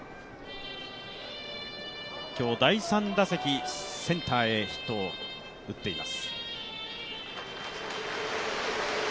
今日、第３打席、センターへヒットを打っています。